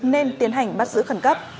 nên tiến hành bắt giữ khẩn cấp